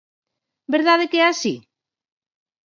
¿Verdade que é así?